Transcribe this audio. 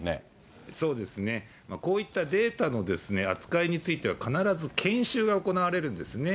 こういったデータの扱いについては、必ず研修が行われるんですね。